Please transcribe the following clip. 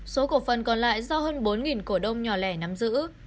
số cổ phần còn lại do hơn bốn cổ đông nhỏ lẻ nắm giữ